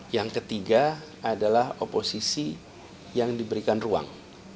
yang ketiga adalah oposisi yang diberikan ruang